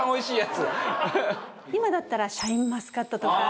今だったらシャインマスカットとか。